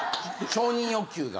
承認欲求が？